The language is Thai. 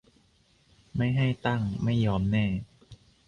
ไม่ให้ตั้งไม่ยอมแน่